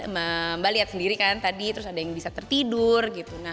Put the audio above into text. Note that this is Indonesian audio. mbak lihat sendiri kan tadi terus ada yang bisa tertidur